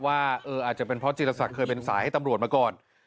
ว่าอาจจะเป็นเพราะจิรษักเคยเป็นสายให้ตำรวจมาก่อน